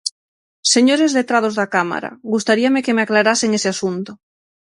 Señores letrados da Cámara, gustaríame que me aclarasen ese asunto.